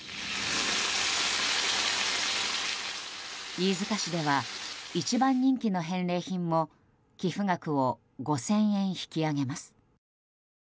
飯塚市では一番人気の返礼品も寄付額を５０００円引き上げます。